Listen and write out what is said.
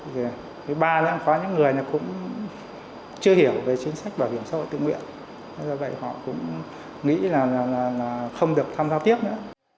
thì thứ ba là có những người cũng chưa hiểu về chính sách bảo hiểm xã hội tự nguyện do vậy họ cũng nghĩ là không được tham giao tiếp nữa